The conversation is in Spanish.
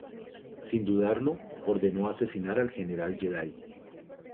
Sin dudarlo ordenó asesinar al general Jedi.